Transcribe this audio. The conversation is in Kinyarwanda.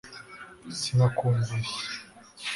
sinakumvise